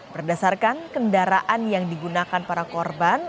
berdasarkan kendaraan yang digunakan para korban